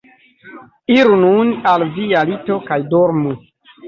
Iru nun al via lito kaj dormu.